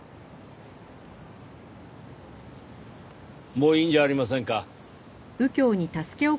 もういいんじゃありませんか？